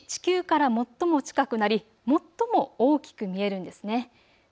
ことし地球から最も近くなり最も大きく見えるんですね。